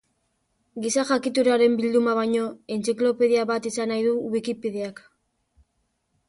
Giza jakituriaren bilduma baino, entziklopedia bat izan nahi du Wikipediak.